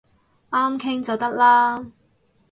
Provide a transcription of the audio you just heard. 啱傾就得啦